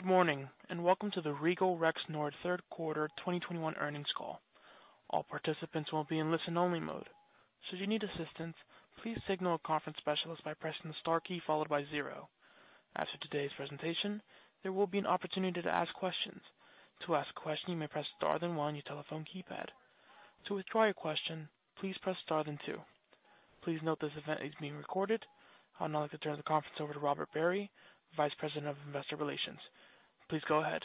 Good morning, and welcome to the Regal Rexnord Third Quarter 2021 earnings call. All participants will be in listen only mode. Should you need assistance, please signal a conference specialist by pressing the star key followed by zero. After today's presentation, there will be an opportunity to ask questions. To ask a question, you may press star then one on your telephone keypad. To withdraw your question, please press star then two. Please note this event is being recorded. I would now like to turn the conference over to Robert Barry, Vice President of Investor Relations. Please go ahead.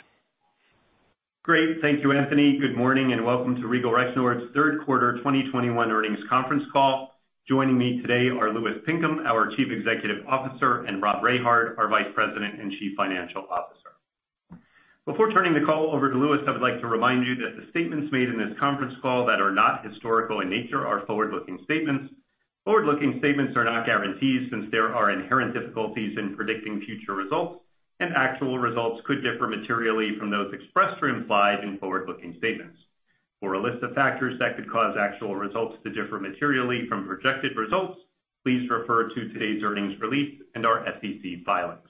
Great. Thank you, Anthony. Good morning and welcome to Regal Rexnord's Third Quarter 2021 earnings conference call. Joining me today are Louis Pinkham, our Chief Executive Officer, and Robert Rehard, our Vice President and Chief Financial Officer. Before turning the call over to Louis, I would like to remind you that the statements made in this conference call that are not historical in nature are forward-looking statements. Forward-looking statements are not guarantees since there are inherent difficulties in predicting future results, and actual results could differ materially from those expressed or implied in forward-looking statements. For a list of factors that could cause actual results to differ materially from projected results, please refer to today's earnings release and our SEC filings.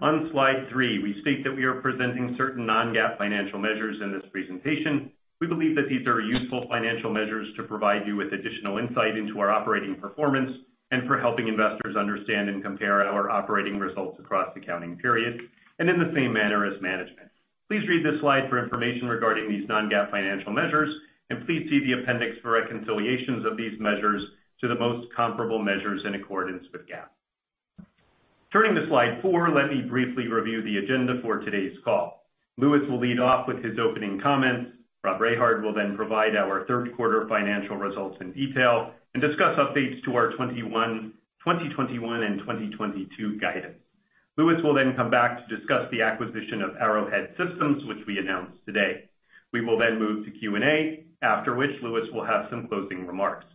On slide three, we state that we are presenting certain non-GAAP financial measures in this presentation. We believe that these are useful financial measures to provide you with additional insight into our operating performance, and for helping investors understand and compare our operating results across accounting periods, and in the same manner as management. Please read this slide for information regarding these non-GAAP financial measures, and please see the appendix for reconciliations of these measures to the most comparable measures in accordance with GAAP. Turning to slide four, let me briefly review the agenda for today's call. Louis will lead off with his opening comments. Robert Rehard will then provide our third quarter financial results in detail and discuss updates to our 2021 and 2022 guidance. Louis will then come back to discuss the acquisition of Arrowhead Systems, which we announced today. We will then move to Q&A, after which Louis will have some closing remarks.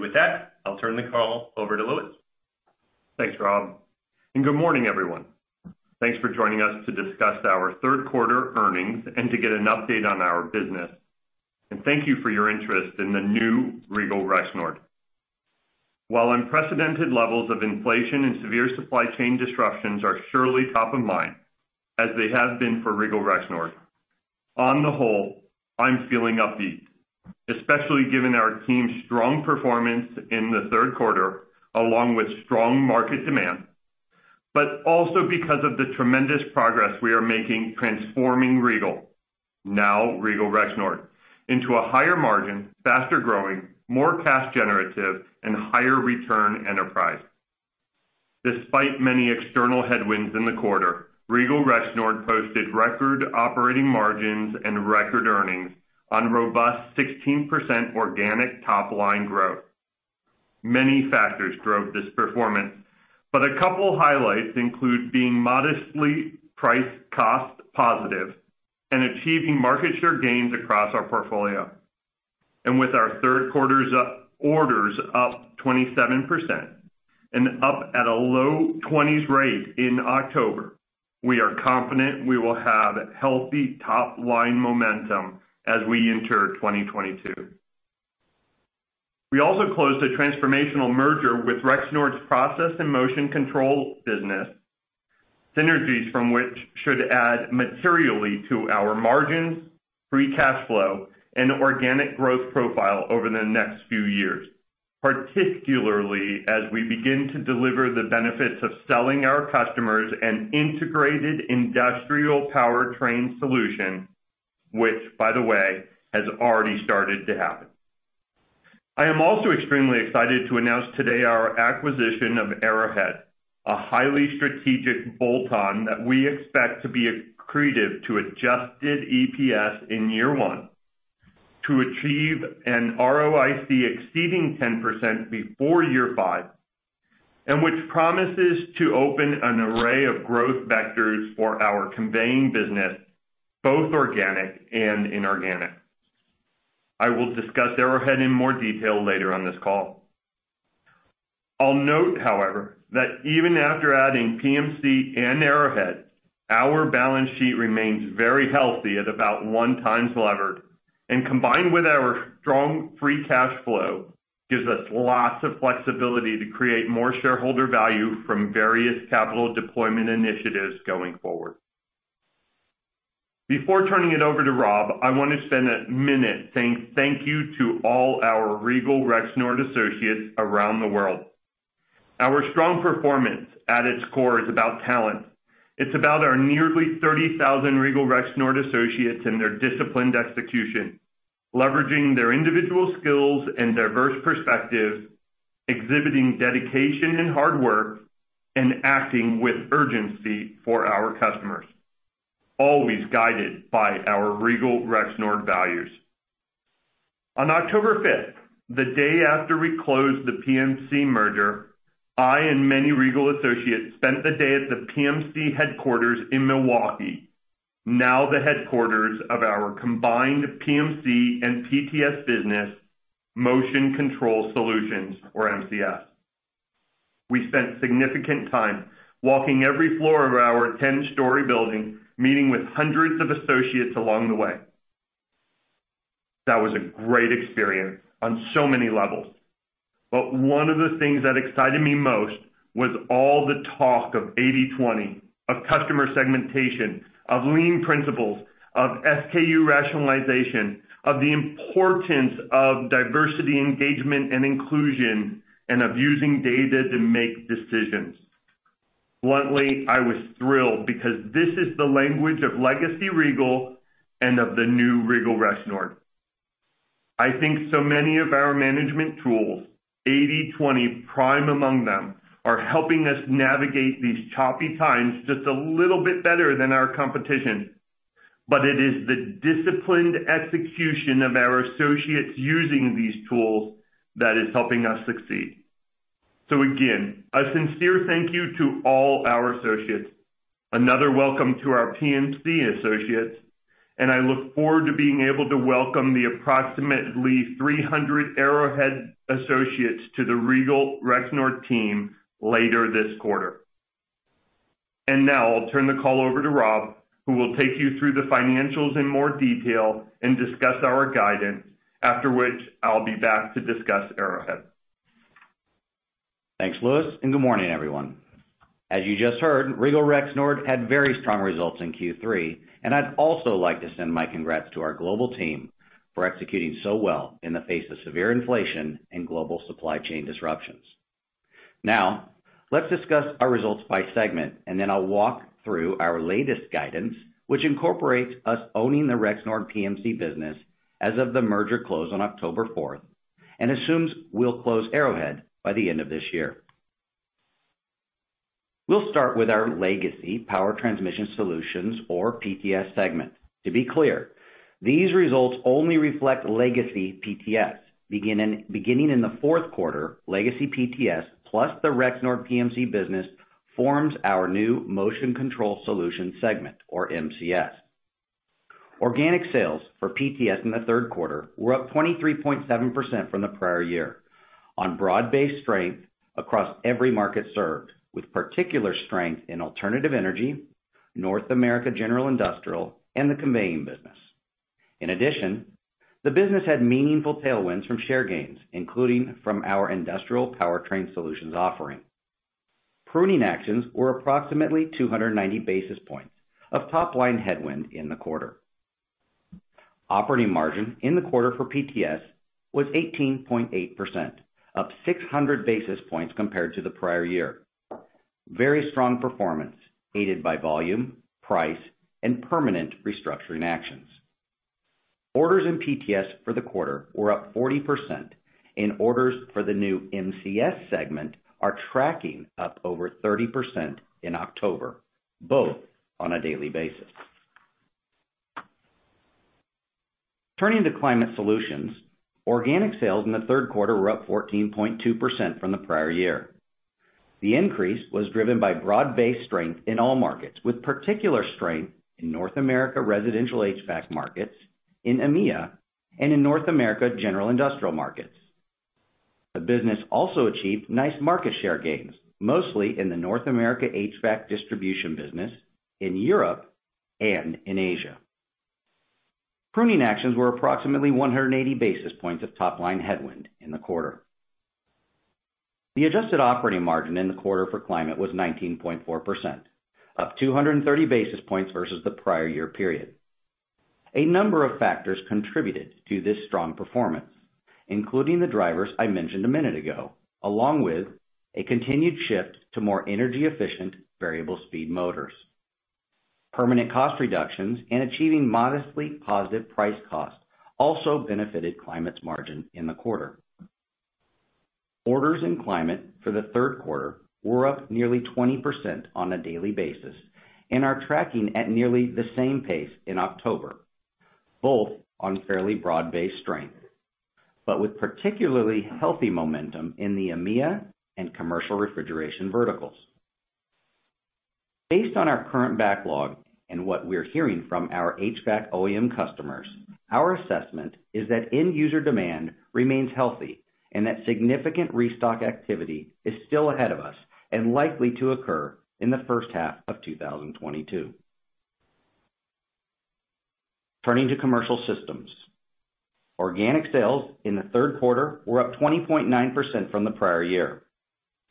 With that, I'll turn the call over to Louis. Thanks, Rob, and good morning, everyone. Thanks for joining us to discuss our third quarter earnings and to get an update on our business. Thank you for your interest in the new Regal Rexnord. While unprecedented levels of inflation and severe supply chain disruptions are surely top of mind, as they have been for Regal Rexnord, on the whole, I'm feeling upbeat, especially given our team's strong performance in the third quarter, along with strong market demand. Also because of the tremendous progress we are making transforming Regal, now Regal Rexnord, into a higher margin, faster growing, more cash generative, and higher return enterprise. Despite many external headwinds in the quarter, Regal Rexnord posted record operating margins and record earnings on robust 16% organic top line growth. Many factors drove this performance, but a couple highlights include being modestly price cost positive and achieving market share gains across our portfolio. With our third quarter orders up 27% and up at a low 20s rate in October, we are confident we will have healthy top line momentum as we enter 2022. We also closed a transformational merger with Rexnord Process & Motion Control business, synergies from which should add materially to our margins, free cash flow, and organic growth profile over the next few years, particularly as we begin to deliver the benefits of selling our customers an integrated industrial powertrain solution, which by the way, has already started to happen. I am also extremely excited to announce today our acquisition of Arrowhead, a highly strategic bolt-on that we expect to be accretive to adjusted EPS in year one to achieve an ROIC exceeding 10% before year five, and which promises to open an array of growth vectors for our conveying business, both organic and inorganic. I will discuss Arrowhead in more detail later on this call. I'll note, however, that even after adding PMC and Arrowhead, our balance sheet remains very healthy at about 1x leverage, and combined with our strong free cash flow, gives us lots of flexibility to create more shareholder value from various capital deployment initiatives going forward. Before turning it over to Rob, I want to spend a minute saying thank you to all our Regal Rexnord associates around the world. Our strong performance at its core is about talent. It's about our nearly 30,000 Regal Rexnord associates and their disciplined execution, leveraging their individual skills and diverse perspective, exhibiting dedication and hard work, and acting with urgency for our customers, always guided by our Regal Rexnord values. On October 5, the day after we closed the PMC merger, I and many Regal associates spent the day at the PMC headquarters in Milwaukee, now the headquarters of our combined PMC and PTS business, Motion Control Solutions or MCS. We spent significant time walking every floor of our 10-story building, meeting with hundreds of associates along the way. That was a great experience on so many levels. One of the things that excited me most was all the talk of 80/20, of customer segmentation, of lean principles, of SKU rationalization, of the importance of diversity, engagement, and inclusion, and of using data to make decisions. Bluntly, I was thrilled because this is the language of legacy Regal and of the new Regal Rexnord. I think so many of our management tools, 80/20 prime among them, are helping us navigate these choppy times just a little bit better than our competition. It is the disciplined execution of our associates using these tools that is helping us succeed. Again, a sincere thank you to all our associates. Another welcome to our PMC associates, and I look forward to being able to welcome the approximately 300 Arrowhead associates to the Regal Rexnord team later this quarter. Now I'll turn the call over to Rob, who will take you through the financials in more detail and discuss our guidance, after which I'll be back to discuss Arrowhead. Thanks, Louis, and good morning, everyone. As you just heard, Regal Rexnord had very strong results in Q3, and I'd also like to send my congrats to our global team for executing so well in the face of severe inflation and global supply chain disruptions. Now, let's discuss our results by segment, and then I'll walk through our latest guidance, which incorporates us owning the Rexnord PMC business as of the merger close on October 4, and assumes we'll close Arrowhead by the end of this year. We'll start with our legacy Power Transmission Solutions or PTS segment. To be clear, these results only reflect legacy PTS. Beginning in the fourth quarter, legacy PTS plus the Rexnord PMC business forms our new Motion Control Solutions segment, or MCS. Organic sales for PTS in the third quarter were up 23.7% from the prior year on broad-based strength across every market served, with particular strength in alternative energy, North America general industrial, and the conveying business. In addition, the business had meaningful tailwinds from share gains, including from our industrial powertrain solutions offering. Pruning actions were approximately 290 basis points of top-line headwind in the quarter. Operating margin in the quarter a PTS was 18.8%, up 600 basis points compared to the prior year. Very strong performance aided by volume, price, and permanent restructuring actions. Orders in PTS for the quarter were up 40%, and orders for the new MCS segment are tracking up over 30% in October, both on a daily basis. Turning to Climate Solutions, organic sales in the third quarter were up 14.2% from the prior year. The increase was driven by broad-based strength in all markets, with particular strength in North America residential HVAC markets, in EMEA, and in North America general industrial markets. The business also achieved nice market share gains, mostly in the North America HVAC distribution business, in Europe, and in Asia. Pruning actions were approximately 180 basis points of top-line headwind in the quarter. The adjusted operating margin in the quarter for Climate Solutions was 19.4%, up 230 basis points versus the prior year period. A number of factors contributed to this strong performance, including the drivers I mentioned a minute ago, along with a continued shift to more energy-efficient variable speed motors. Permanent cost reductions and achieving modestly positive price cost also benefited Climate's margin in the quarter. Orders in Climate for the third quarter were up nearly 20% on a daily basis and are tracking at nearly the same pace in October, both on fairly broad-based strength, but with particularly healthy momentum in the EMEA and commercial refrigeration verticals. Based on our current backlog and what we're hearing from our HVAC OEM customers, our assessment is that end-user demand remains healthy and that significant restock activity is still ahead of us and likely to occur in the first half of 2022. Turning to commercial systems. Organic sales in the third quarter were up 20.9% from the prior year.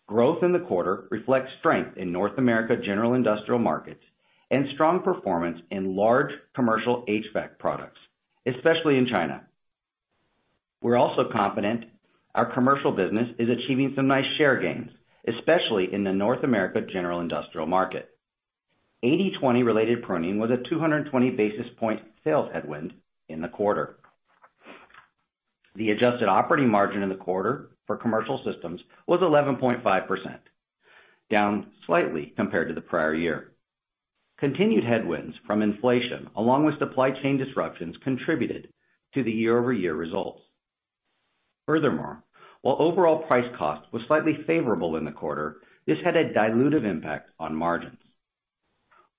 Growth in the quarter reflects strength in North America general industrial markets and strong performance in large commercial HVAC products, especially in China. We're also confident our commercial business is achieving some nice share gains, especially in the North America general industrial market. 80/20 related pruning was a 220 basis point sales headwind in the quarter. The adjusted operating margin in the quarter for commercial systems was 11.5%, down slightly compared to the prior year. Continued headwinds from inflation along with supply chain disruptions contributed to the year-over-year results. Furthermore, while overall price cost was slightly favorable in the quarter, this had a dilutive impact on margins.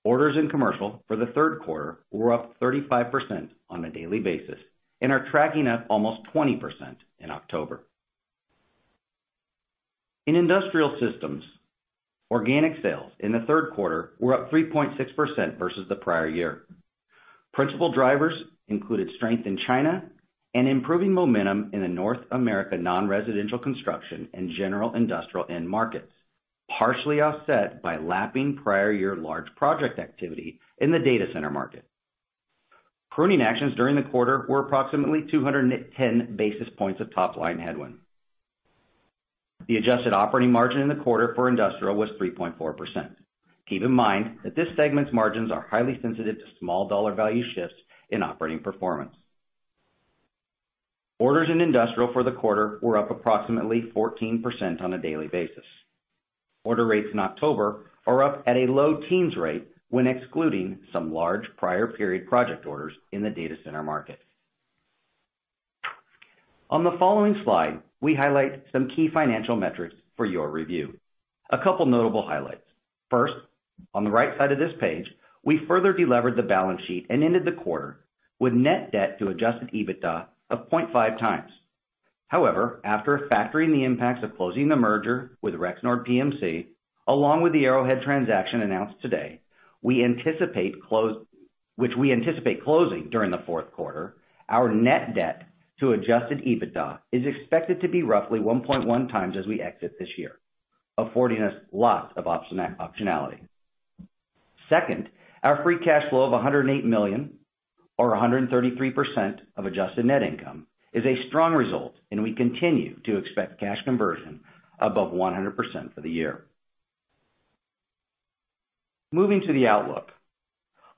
Orders in commercial for the third quarter were up 35% on a daily basis and are tracking up almost 20% in October. In industrial systems, organic sales in the third quarter were up 3.6% versus the prior year. Principal drivers included strength in China and improving momentum in the North America non-residential construction and general industrial end markets, partially offset by lapping prior year large project activity in the data center market. Pruning actions during the quarter were approximately 210 basis points of top-line headwind. The adjusted operating margin in the quarter for industrial was 3.4%. Keep in mind that this segment's margins are highly sensitive to small dollar value shifts in operating performance. Orders in industrial for the quarter were up approximately 14% on a daily basis. Order rates in October are up at a low teens rate when excluding some large prior period project orders in the data center market. On the following slide, we highlight some key financial metrics for your review. A couple notable highlights. First, on the right side of this page, we further delivered the balance sheet and ended the quarter with net debt to adjusted EBITDA of 0.5x. However, after factoring the impacts of closing the merger with Rexnord PMC, along with the Arrowhead transaction announced today, which we anticipate closing during the fourth quarter, our net debt to adjusted EBITDA is expected to be roughly 1.1x as we exit this year, affording us lots of optionality. Second, our free cash flow of $108 million or 133% of adjusted net income is a strong result, and we continue to expect cash conversion above 100% for the year. Moving to the outlook.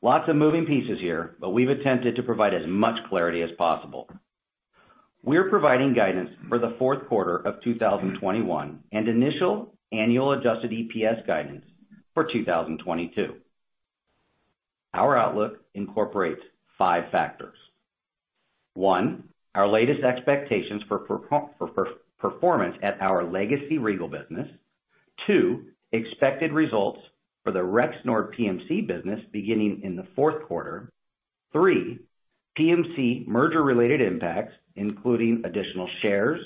Lots of moving pieces here, but we've attempted to provide as much clarity as possible. We're providing guidance for the fourth quarter of 2021 and initial annual adjusted EPS guidance for 2022. Our outlook incorporates five factors. One, our latest expectations for performance at our legacy Regal business. Two, expected results for the Rexnord PMC business beginning in the fourth quarter. Three, PMC merger-related impacts, including additional shares,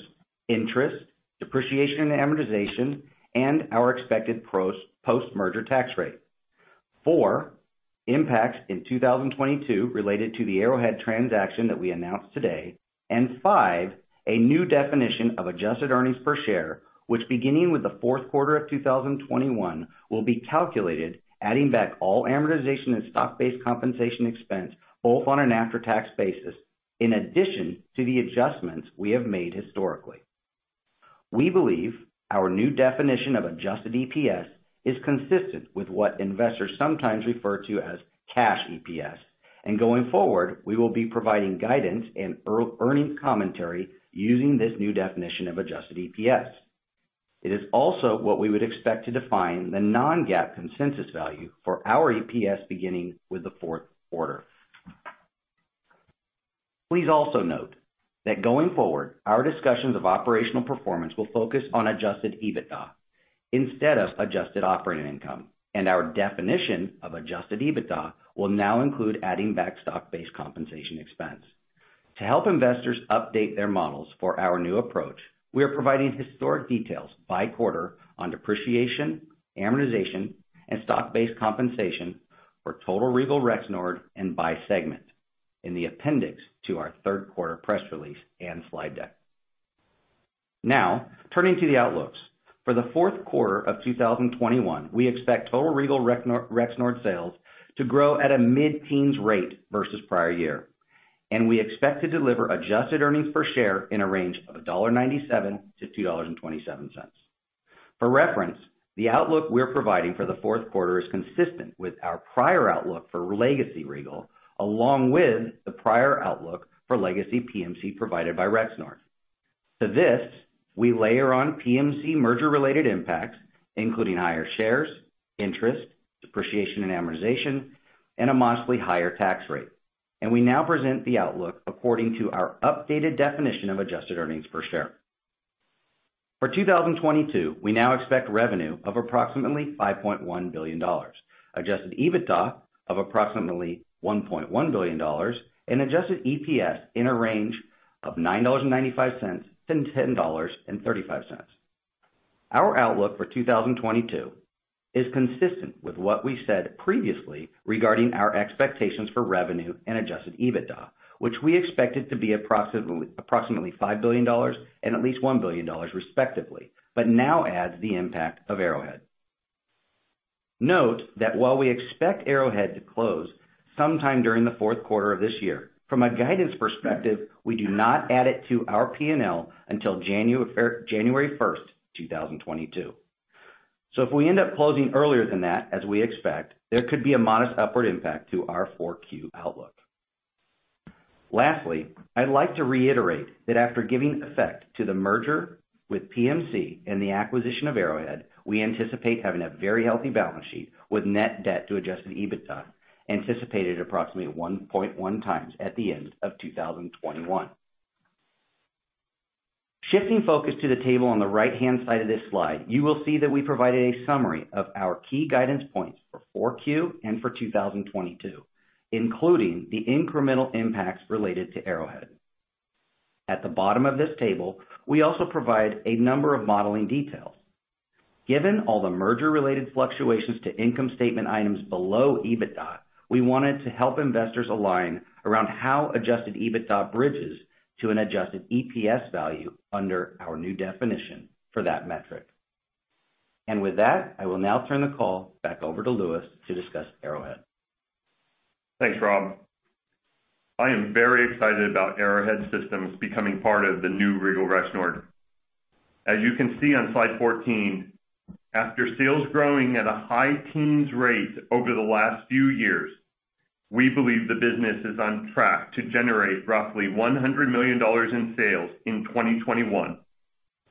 interest, depreciation and amortization, and our expected post-merger tax rate. Four, impacts in 2022 related to the Arrowhead transaction that we announced today. And five, a new definition of adjusted earnings per share, which beginning with the fourth quarter of 2021, will be calculated adding back all amortization and stock-based compensation expense, both on an after-tax basis, in addition to the adjustments we have made historically. We believe our new definition of adjusted EPS is consistent with what investors sometimes refer to as cash EPS. Going forward, we will be providing guidance and earnings commentary using this new definition of adjusted EPS. It is also what we would expect to define the non-GAAP consensus value for our EPS beginning with the fourth quarter. Please also note that going forward, our discussions of operational performance will focus on adjusted EBITDA instead of adjusted operating income, and our definition of adjusted EBITDA will now include adding back stock-based compensation expense. To help investors update their models for our new approach, we are providing historic details by quarter on depreciation, amortization, and stock-based compensation for total Regal Rexnord and by segment in the appendix to our third quarter press release and slide deck. Now, turning to the outlooks. For the fourth quarter of 2021, we expect total Regal Rexnord sales to grow at a mid-teens rate versus prior year, and we expect to deliver adjusted earnings per share in a range of $1.97-$2.27. For reference, the outlook we're providing for the fourth quarter is consistent with our prior outlook for legacy Regal, along with the prior outlook for legacy PMC provided by Rexnord. To this, we layer on PMC merger-related impacts, including higher shares, interest, depreciation and amortization, and a modestly higher tax rate. We now present the outlook according to our updated definition of adjusted earnings per share. For 2022, we now expect revenue of approximately $5.1 billion, adjusted EBITDA of approximately $1.1 billion, and adjusted EPS in a range of $9.95-$10.35. Our outlook for 2022 is consistent with what we said previously regarding our expectations for revenue and adjusted EBITDA, which we expected to be approximately $5 billion and at least $1 billion respectively, but now adds the impact of Arrowhead. Note that while we expect Arrowhead to close sometime during the fourth quarter of this year, from a guidance perspective, we do not add it to our P&L until January 1, 2022. If we end up closing earlier than that, as we expect, there could be a modest upward impact to our 4Q outlook. Lastly, I'd like to reiterate that after giving effect to the merger with PMC and the acquisition of Arrowhead, we anticipate having a very healthy balance sheet with net debt to adjusted EBITDA anticipated approximately 1.1x at the end of 2021. Shifting focus to the table on the right-hand side of this slide, you will see that we provided a summary of our key guidance points for Q4 and FY 2022, including the incremental impacts related to Arrowhead. At the bottom of this table, we also provide a number of modeling details. Given all the merger-related fluctuations to income statement items below EBITDA, we wanted to help investors align around how adjusted EBITDA bridges to an adjusted EPS value under our new definition for that metric. With that, I will now turn the call back over to Louis to discuss Arrowhead. Thanks, Rob. I am very excited about Arrowhead Systems becoming part of the new Regal Rexnord. As you can see on slide 14, aftermarket sales growing at a high-teens rate over the last few years, we believe the business is on track to generate roughly $100 million in sales in 2021,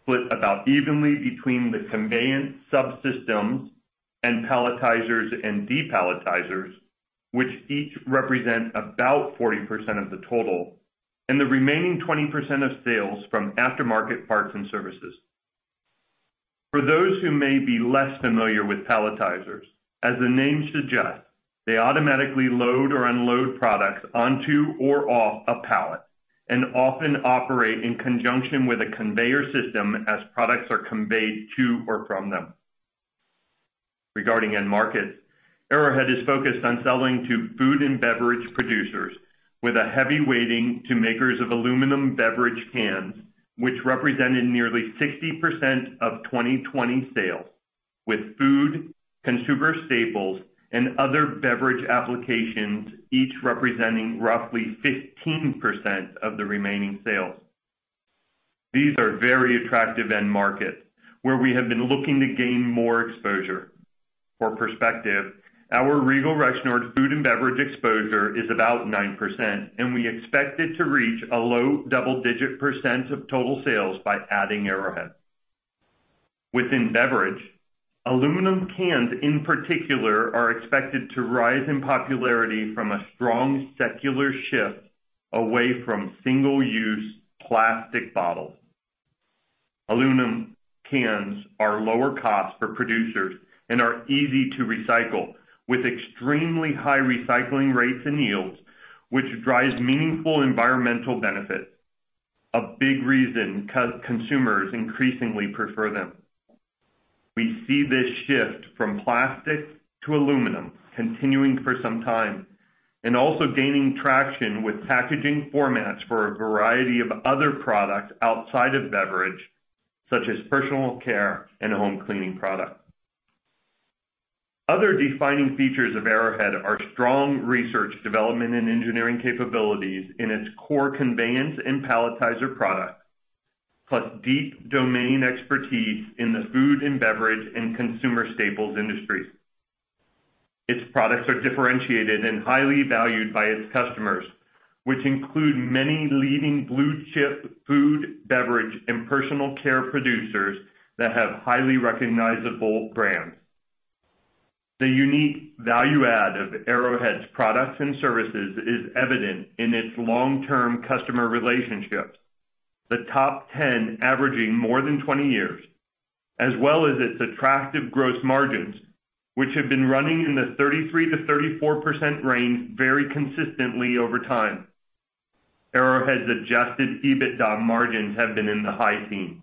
split about evenly between the conveyance subsystems and palletizers and depalletizers, which each represent about 40% of the total and the remaining 20% of sales from aftermarket parts and services. For those who may be less familiar with palletizers, as the name suggests, they automatically load or unload products onto or off a pallet and often operate in conjunction with a conveyor system as products are conveyed to or from them. Regarding end markets, Arrowhead is focused on selling to food and beverage producers with a heavy weighting to makers of aluminum beverage cans, which represented nearly 60% of 2020 sales, with food, consumer staples, and other beverage applications, each representing roughly 15% of the remaining sales. These are very attractive end markets where we have been looking to gain more exposure. For perspective, our Regal Rexnord food and beverage exposure is about 9%, and we expect it to reach a low double-digit percent of total sales by adding Arrowhead. Within beverage, aluminum cans in particular, are expected to rise in popularity from a strong secular shift away from single-use plastic bottles. Aluminum cans are lower cost for producers and are easy to recycle, with extremely high recycling rates and yields, which drives meaningful environmental benefits, a big reason consumers increasingly prefer them. We see this shift from plastic to aluminum continuing for some time and also gaining traction with packaging formats for a variety of other products outside of beverage, such as personal care and home cleaning products. Other defining features of Arrowhead are strong research, development, and engineering capabilities in its core conveyance and palletizer products, plus deep domain expertise in the food and beverage and consumer staples industries. Its products are differentiated and highly valued by its customers, which include many leading blue-chip food, beverage, and personal care producers that have highly recognizable brands. The unique value add of Arrowhead's products and services is evident in its long-term customer relationships, the top 10 averaging more than 20 years, as well as its attractive gross margins, which have been running in the 33%-34% range very consistently over time. Arrowhead's adjusted EBITDA margins have been in the high teens.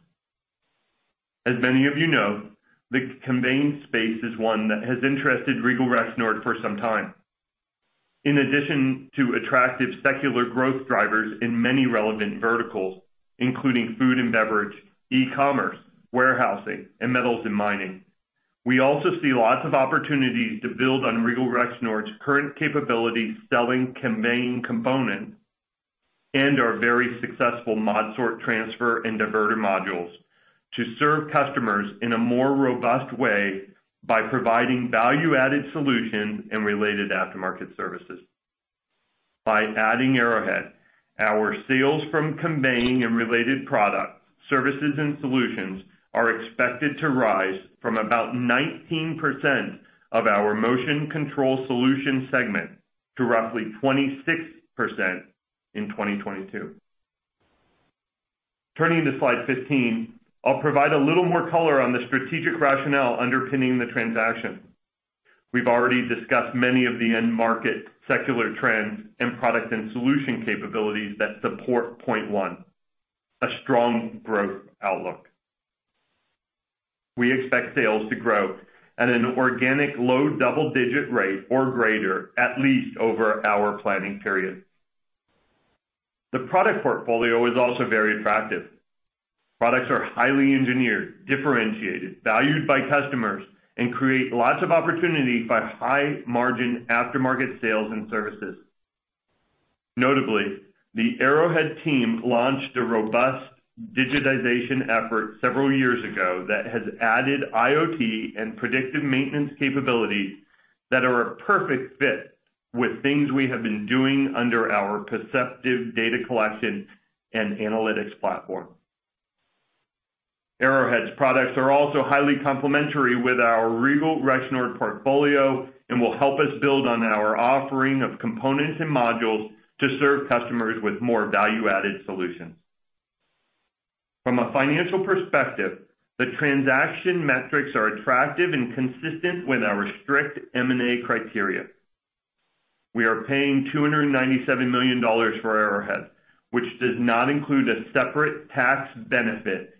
As many of you know, the conveyance space is one that has interested Regal Rexnord for some time. In addition to attractive secular growth drivers in many relevant verticals, including food and beverage, e-commerce, warehousing, and metals and mining, we also see lots of opportunities to build on Regal Rexnord's current capabilities selling conveying components and our very successful ModSort transfer and diverter modules to serve customers in a more robust way by providing value-added solutions and related aftermarket services. By adding Arrowhead, our sales from conveying and related products, services, and solutions are expected to rise from about 19% of our Motion Control Solutions segment to roughly 26% in 2022. Turning to slide 15, I'll provide a little more color on the strategic rationale underpinning the transaction. We've already discussed many of the end market secular trends and product and solution capabilities that support point one, a strong growth outlook. We expect sales to grow at an organic low double-digit rate or greater at least over our planning period. The product portfolio is also very attractive. Products are highly engineered, differentiated, valued by customers, and create lots of opportunity by high margin aftermarket sales and services. Notably, the Arrowhead team launched a robust digitization effort several years ago that has added IoT and predictive maintenance capabilities that are a perfect fit with things we have been doing under our Perceptiv data collection and analytics platform. Arrowhead's products are also highly complementary with our Regal Rexnord portfolio and will help us build on our offering of components and modules to serve customers with more value-added solutions. From a financial perspective, the transaction metrics are attractive and consistent with our strict M&A criteria. We are paying $297 million for Arrowhead, which does not include a separate tax benefit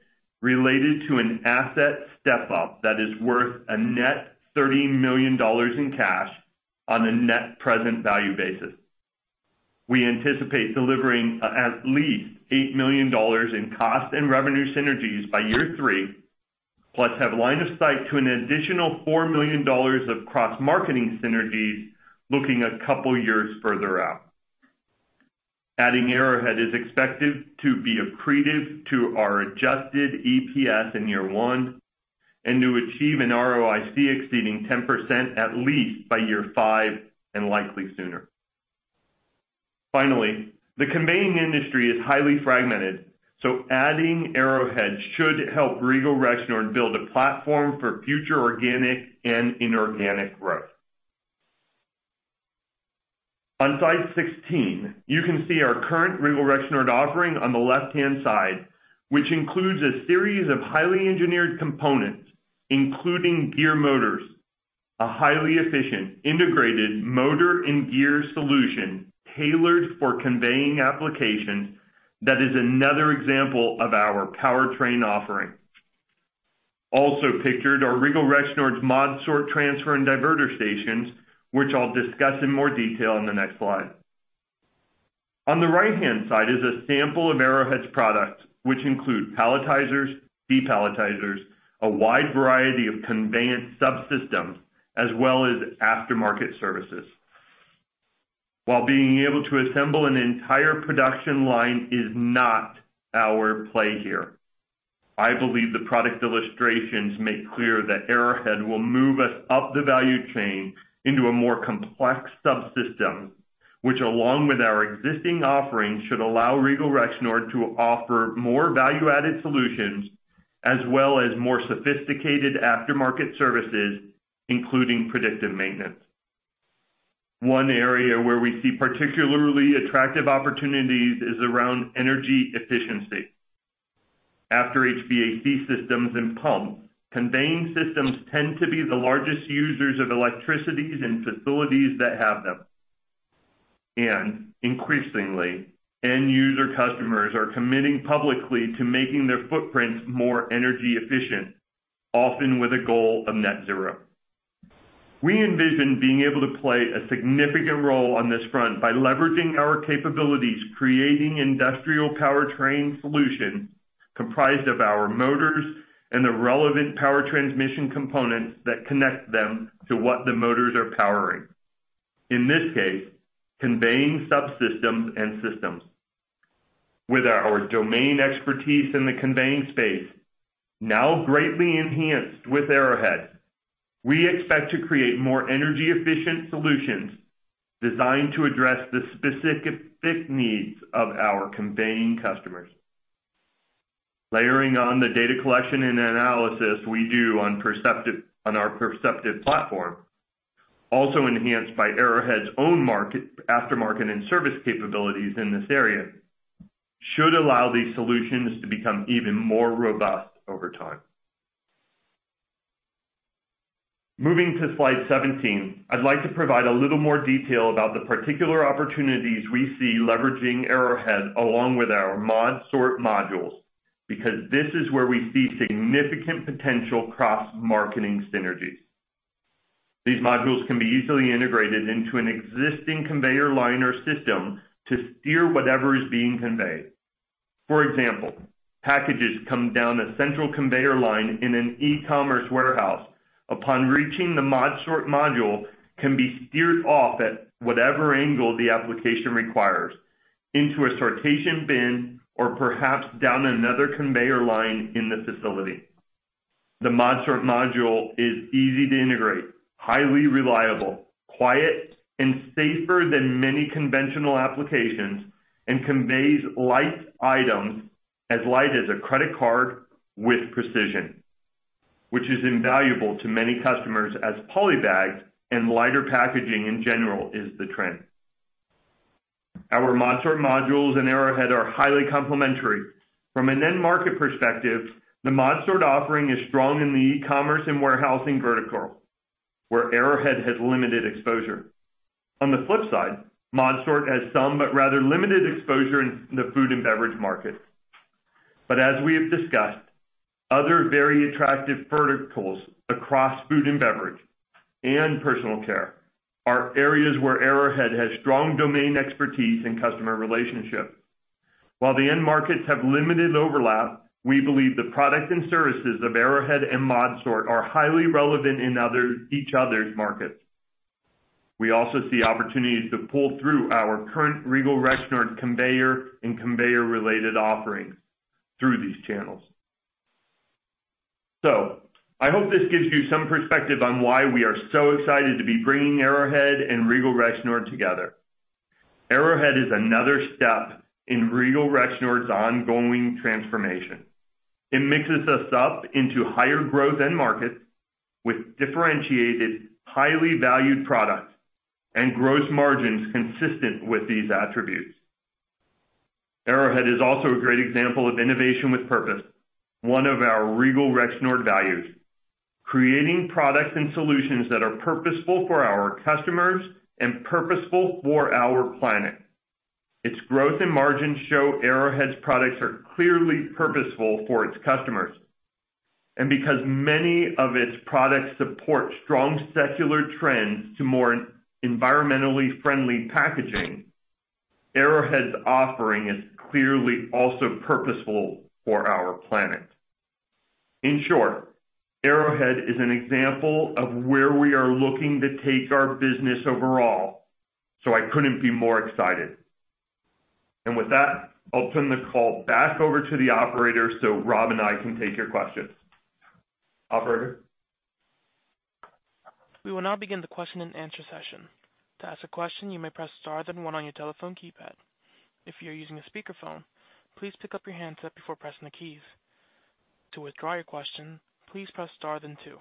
related to an asset step-up that is worth a net $30 million in cash on a net present value basis. We anticipate delivering at least $8 million in cost and revenue synergies by year three, plus have line of sight to an additional $4 million of cross-marketing synergies looking a couple years further out. Adding Arrowhead is expected to be accretive to our adjusted EPS in year one, and to achieve an ROIC exceeding 10% at least by year five, and likely sooner. Finally, the conveying industry is highly fragmented, so adding Arrowhead should help Regal Rexnord build a platform for future organic and inorganic growth. On slide 16, you can see our current Regal Rexnord offering on the left-hand side, which includes a series of highly engineered components, including gear motors, a highly efficient integrated motor and gear solution tailored for conveying applications that is another example of our powertrain offering. Also pictured are Regal Rexnord's ModSort transfer and diverter stations, which I'll discuss in more detail in the next slide. On the right-hand side is a sample of Arrowhead's products, which include palletizers, depalletizers, a wide variety of conveyance subsystems, as well as aftermarket services. While being able to assemble an entire production line is not our play here, I believe the product illustrations make clear that Arrowhead will move us up the value chain into a more complex subsystem, which, along with our existing offerings, should allow Regal Rexnord to offer more value-added solutions as well as more sophisticated aftermarket services, including predictive maintenance. One area where we see particularly attractive opportunities is around energy efficiency. After HVAC systems and pumps, conveying systems tend to be the largest users of electricity in facilities that have them. Increasingly, end user customers are committing publicly to making their footprints more energy efficient, often with a goal of net zero. We envision being able to play a significant role on this front by leveraging our capabilities, creating industrial powertrain solutions comprised of our motors and the relevant power transmission components that connect them to what the motors are powering. In this case, conveying subsystems and systems. With our domain expertise in the conveying space now greatly enhanced with Arrowhead, we expect to create more energy efficient solutions designed to address the specific needs of our conveying customers. Layering on the data collection and analysis we do on our Perceptiv platform, also enhanced by Arrowhead's own aftermarket and service capabilities in this area, should allow these solutions to become even more robust over time. Moving to slide 17, I'd like to provide a little more detail about the particular opportunities we see leveraging Arrowhead along with our ModSort modules, because this is where we see significant potential cross-marketing synergies. These modules can be easily integrated into an existing conveyor line or system to steer whatever is being conveyed. For example, packages come down a central conveyor line in an e-commerce warehouse. Upon reaching the ModSort module, they can be steered off at whatever angle the application requires, into a sortation bin or perhaps down another conveyor line in the facility. The ModSort module is easy to integrate, highly reliable, quiet and safer than many conventional applications, and conveys light items as light as a credit card with precision, which is invaluable to many customers as polybags and lighter packaging in general is the trend. Our ModSort modules and Arrowhead are highly complementary. From an end market perspective, the ModSort offering is strong in the e-commerce and warehousing vertical, where Arrowhead has limited exposure. On the flip side, ModSort has some but rather limited exposure in the food and beverage market. As we have discussed, other very attractive verticals across food and beverage and personal care are areas where Arrowhead has strong domain expertise and customer relationships. While the end markets have limited overlap, we believe the product and services of Arrowhead and ModSort are highly relevant in each other's markets. We also see opportunities to pull through our current Regal Rexnord conveyor and conveyor-related offerings through these channels. I hope this gives you some perspective on why we are so excited to be bringing Arrowhead and Regal Rexnord together. Arrowhead is another step in Regal Rexnord's ongoing transformation. It mixes us up into higher growth end markets with differentiated, highly valued products. Gross margins consistent with these attributes. Arrowhead is also a great example of innovation with purpose, one of our Regal Rexnord values, creating products and solutions that are purposeful for our customers and purposeful for our planet. Its growth and margins show Arrowhead's products are clearly purposeful for its customers. Because many of its products support strong secular trends to more environmentally friendly packaging, Arrowhead's offering is clearly also purposeful for our planet. In short, Arrowhead is an example of where we are looking to take our business overall, so I couldn't be more excited. With that, I'll turn the call back over to the operator so Rob and I can take your questions. Operator? We will now begin the question-and-answer session. To ask a question, you may press star then one on your telephone keypad. If you're using a speakerphone, please pick up your handset before pressing the keys. To withdraw your question, please press star then two.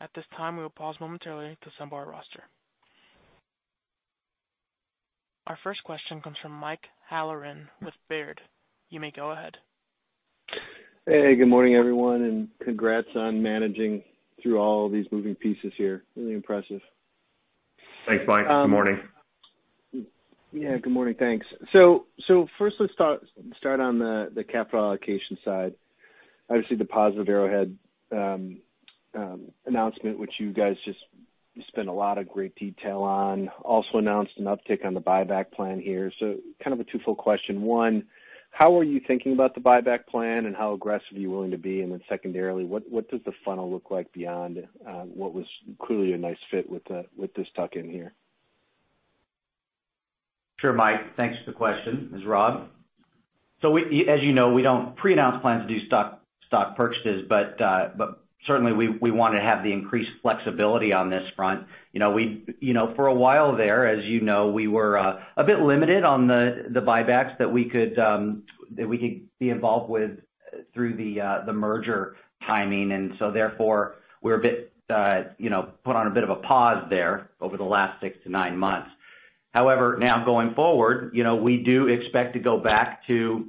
At this time, we will pause momentarily to assemble our roster. Our first question comes from Mike Halloran with Baird. You may go ahead. Hey, good morning, everyone, and congrats on managing through all these moving pieces here. Really impressive. Thanks, Mike. Good morning. Yeah, good morning. Thanks. First let's start on the capital allocation side. Obviously, the positive Arrowhead announcement, which you guys just spent a lot of great detail on, also announced an uptick on the buyback plan here. Kind of a twofold question. One, how are you thinking about the buyback plan, and how aggressive are you willing to be? Secondarily, what does the funnel look like beyond what was clearly a nice fit with this tuck in here? Sure, Mike, thanks for the question. This is Rob. We as you know, we don't pre-announce plans to do stock purchases, but certainly we wanna have the increased flexibility on this front. You know, we you know, for a while there, as you know, we were a bit limited on the buybacks that we could be involved with through the merger timing. And so therefore, we're a bit you know, put on a bit of a pause there over the last six-nine months. However, now going forward, you know, we do expect to go back to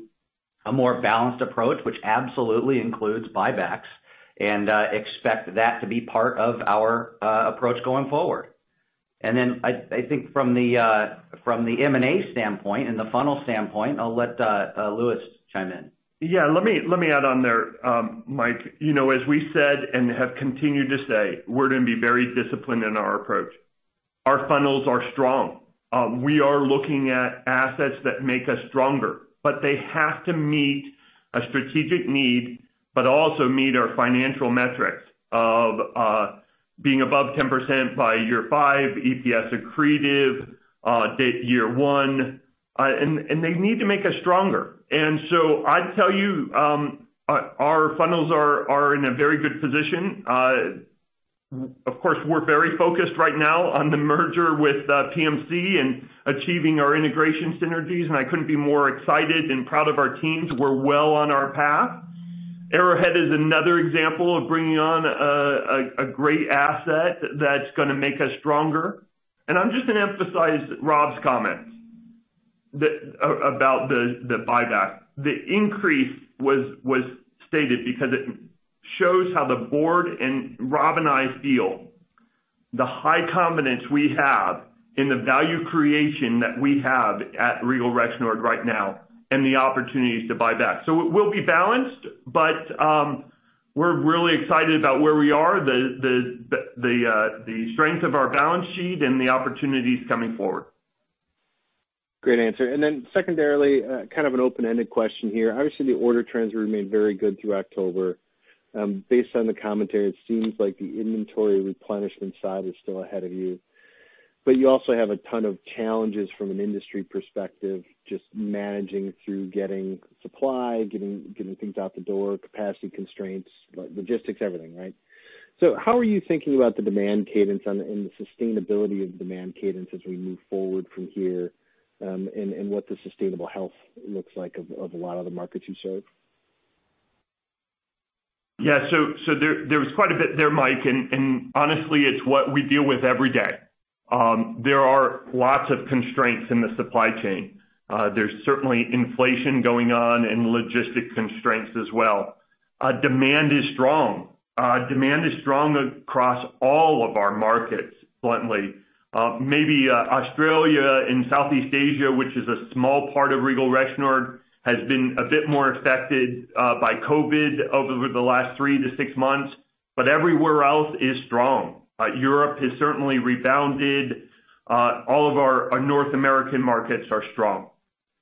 a more balanced approach, which absolutely includes buybacks, and expect that to be part of our approach going forward. I think from the M&A standpoint and the funnel standpoint, I'll let Louis chime in. Yeah, let me add on there, Mike. You know, as we said and have continued to say, we're gonna be very disciplined in our approach. Our funnels are strong. We are looking at assets that make us stronger, but they have to meet a strategic need, but also meet our financial metrics of being above 10% by year five, EPS accretive day one. They need to make us stronger. I'd tell you our funnels are in a very good position. Of course, we're very focused right now on the merger with PMC and achieving our integration synergies, and I couldn't be more excited and proud of our teams. We're well on our path. Arrowhead is another example of bringing on a great asset that's gonna make us stronger. I'm just gonna emphasize Rob's comments about the buyback. The increase was stated because it shows how the board and Rob and I feel the high confidence we have in the value creation that we have at Regal Rexnord right now and the opportunities to buy back. We'll be balanced, but we're really excited about where we are, the strength of our balance sheet and the opportunities coming forward. Great answer. Secondarily, kind of an open-ended question here. Obviously, the order trends remain very good through October. Based on the commentary, it seems like the inventory replenishment side is still ahead of you. You also have a ton of challenges from an industry perspective, just managing through getting supply, getting things out the door, capacity constraints, logistics, everything, right? How are you thinking about the demand cadence and the sustainability of demand cadence as we move forward from here, and what the sustainable health looks like of a lot of the markets you serve? There's quite a bit there, Mike, and honestly, it's what we deal with every day. There are lots of constraints in the supply chain. There's certainly inflation going on and logistics constraints as well. Demand is strong. Demand is strong across all of our markets, bluntly. Maybe Australia and Southeast Asia, which is a small part of Regal Rexnord, has been a bit more affected by COVID over the last three-six months, but everywhere else is strong. Europe has certainly rebounded. All of our North American markets are strong.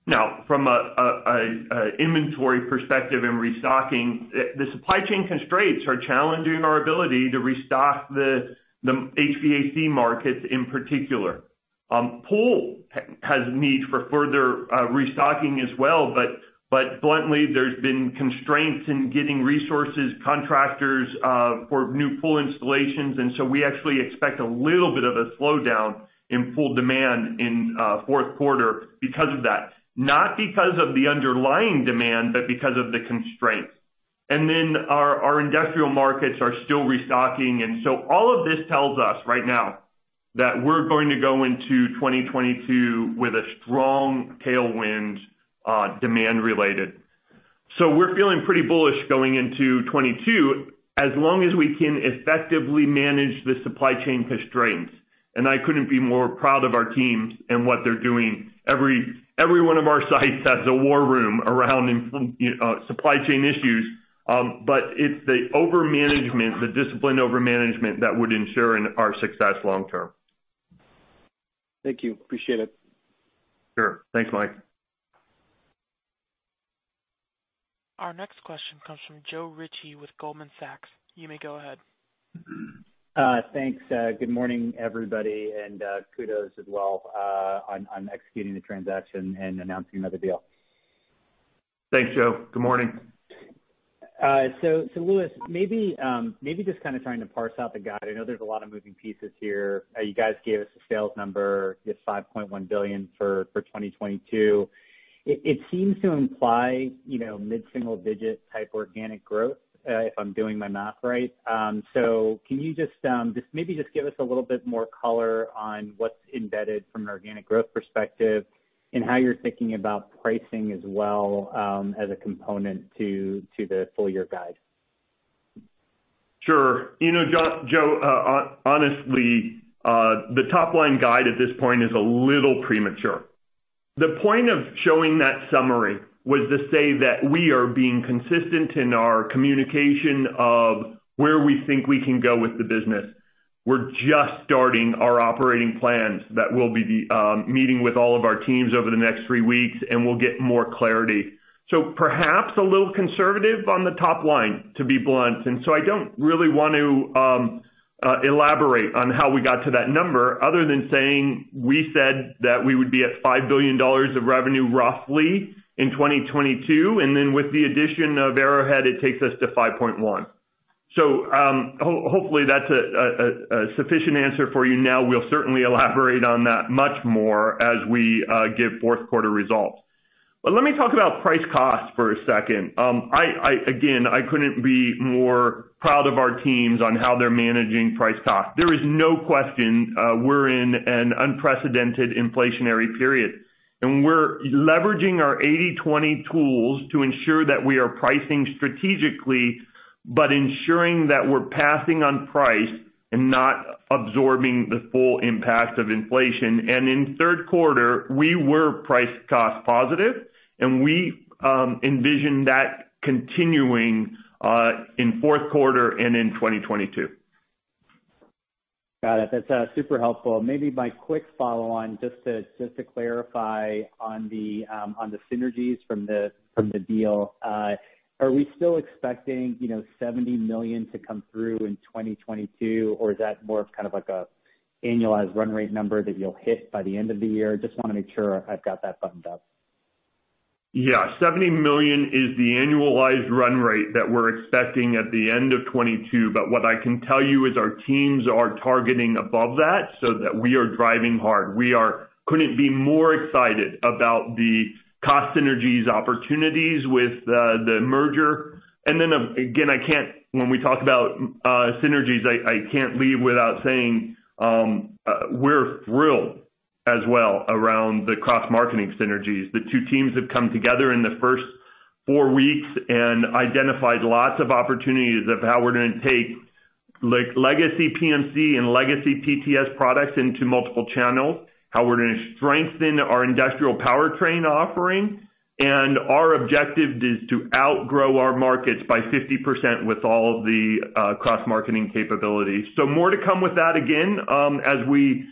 Now, from an inventory perspective and restocking, the supply chain constraints are challenging our ability to restock the HVAC markets in particular. Pool has need for further restocking as well, but bluntly, there's been constraints in getting resources, contractors, for new pool installations, and we actually expect a little bit of a slowdown in pool demand in fourth quarter because of that, not because of the underlying demand, but because of the constraints. Our industrial markets are still restocking. All of this tells us right now that we're going to go into 2022 with a strong tailwind, demand related. We're feeling pretty bullish going into 2022, as long as we can effectively manage the supply chain constraints. I couldn't be more proud of our teams and what they're doing. Every one of our sites has a war room around supply chain issues. It's the over management, the disciplined over management that would ensure our success long term. Thank you. Appreciate it. Sure. Thanks, Mike. Our next question comes from Joe Ritchie with Goldman Sachs. You may go ahead. Thanks. Good morning, everybody. Kudos as well on executing the transaction and announcing another deal. Thanks, Joe. Good morning. Louis, maybe just kind of trying to parse out the guide. I know there's a lot of moving pieces here. You guys gave us a sales number, this $5.1 billion for 2022. It seems to imply, you know, mid-single-digit type organic growth, if I'm doing my math right? Can you just maybe give us a little bit more color on what's embedded from an organic growth perspective and how you're thinking about pricing as well, as a component to the full year guide? Sure. You know, Joe, honestly, the top line guide at this point is a little premature. The point of showing that summary was to say that we are being consistent in our communication of where we think we can go with the business. We're just starting our operating plans that we'll be meeting with all of our teams over the next three weeks, and we'll get more clarity. So perhaps a little conservative on the top line, to be blunt. I don't really want to elaborate on how we got to that number other than saying, we said that we would be at $5 billion of revenue roughly in 2022, and then with the addition of Arrowhead, it takes us to $5.1 billion. Hopefully that's a sufficient answer for you now. We'll certainly elaborate on that much more as we give fourth quarter results. Let me talk about price cost for a second. I again couldn't be more proud of our teams on how they're managing price cost. There is no question, we're in an unprecedented inflationary period, and we're leveraging our 80/20 tools to ensure that we are pricing strategically, but ensuring that we're passing on price and not absorbing the full impact of inflation. In third quarter, we were price cost positive, and we envisioned that continuing in fourth quarter and in 2022. Got it. That's super helpful. Maybe my quick follow on, just to clarify on the synergies from the deal. Are we still expecting, you know, $70 million to come through in 2022, or is that more of kind of like a annualized run rate number that you'll hit by the end of the year? Just wanna make sure I've got that buttoned up. Yeah. $70 million is the annualized run rate that we're expecting at the end of 2022. What I can tell you is our teams are targeting above that so that we are driving hard. We couldn't be more excited about the cost synergies opportunities with the merger. Again, when we talk about synergies, I can't leave without saying we're thrilled as well around the cross-marketing synergies. The two teams have come together in the first four weeks and identified lots of opportunities of how we're gonna take legacy PMC and legacy PTS products into multiple channels, how we're gonna strengthen our industrial powertrain offering. Our objective is to outgrow our markets by 50% with all of the cross-marketing capabilities. More to come with that again, as we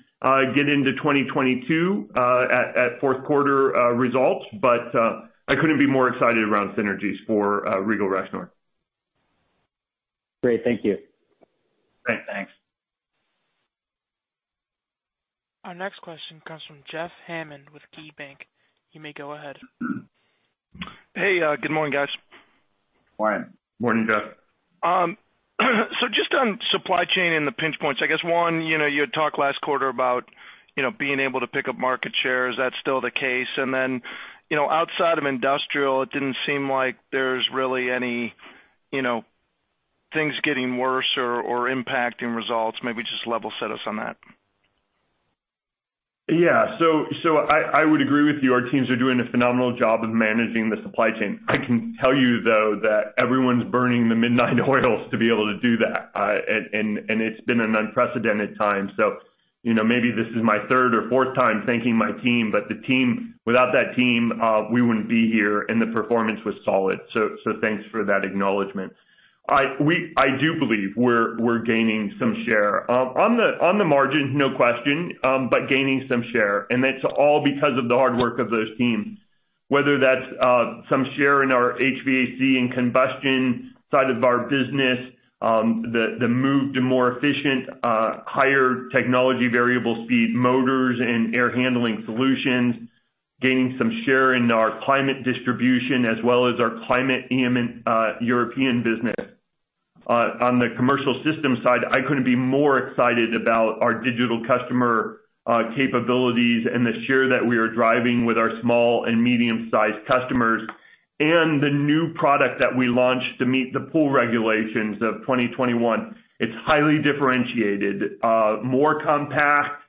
get into 2022, at fourth quarter results. I couldn't be more excited around synergies for Regal Rexnord. Great. Thank you. Great. Thanks. Our next question comes from Jeff Hammond with KeyBanc. You may go ahead. Hey, good morning, guys. Morning. Morning, Jeff. Just on supply chain and the pinch points, I guess one, you know, you had talked last quarter about, you know, being able to pick up market share. Is that still the case? And then, you know, outside of industrial, it didn't seem like there's really any, you know, things getting worse or impacting results. Maybe just level set us on that. Yeah. I would agree with you. Our teams are doing a phenomenal job of managing the supply chain. I can tell you, though, that everyone's burning the midnight oil to be able to do that. It's been an unprecedented time. You know, maybe this is my third or fourth time thanking my team, but without that team, we wouldn't be here, and the performance was solid. Thanks for that acknowledgment. I do believe we're gaining some share. On the margins, no question, but gaining some share, and it's all because of the hard work of those teams, whether that's some share in our HVAC and combustion side of our business, the move to more efficient, higher technology variable speed motors and air handling solutions, gaining some share in our climate distribution as well as our climate OEM European business. On the commercial system side, I couldn't be more excited about our digital customer capabilities and the share that we are driving with our small and medium-sized customers, and the new product that we launched to meet the pool regulations of 2021. It's highly differentiated, more compact,